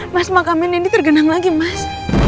mas makamnya nindi tergenang lagi mas